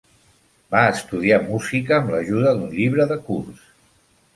Va estudiar música amb l'ajuda d'un llibre de curs.